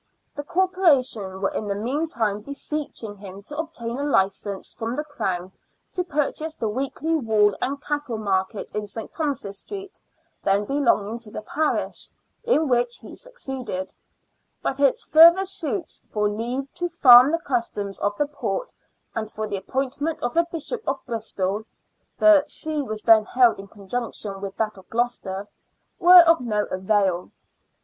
The Corporation were in the EARL OF LEICESTER. 53 meantime beseeching him to obtain a Ucence from the Crown to purchase the weekly wool and cattle market in St. Thomas's Street, then belonging to the parish, in which he succeeded ; but its further suits for leave to farm the Customs of the port and for the appointment of a Bishop of Bristol (the See was then held in conjunction with that of Gloucester) were of no avail.